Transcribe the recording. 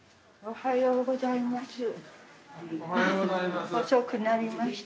おはようございます。